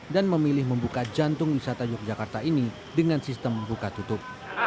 dan memilih membuka jantung wisata yogyakarta ini dengan sistem buka tutup